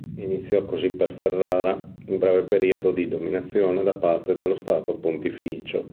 Iniziò così per Ferrara un breve periodo di dominazione da parte dello Stato Pontificio.